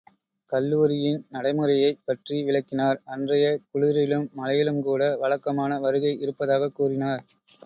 கல்லூரியின் நடைமுறையைப் பற்றி விளக்கினார், அன்றைய குளிரிலும் மழையிலும்கூட, வழக்கமான வருகை இருப்பதாகக் கூறினார்.